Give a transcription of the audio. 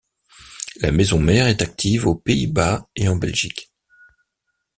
La maison-mère est active aux Pays-Bas et en Belgique.